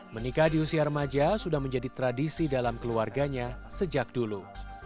menikah di usia remaja sudah menjadi tradisi dalam keluarganya sejak dulu